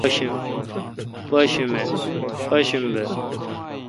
پاشنبہ